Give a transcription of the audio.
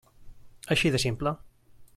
Així de simple.